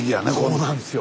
そうなんですよ。